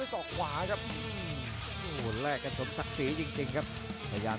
แชลเบียนชาวเล็ก